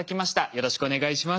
よろしくお願いします。